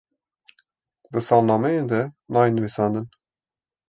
di salnemeyan de neyê nivisandin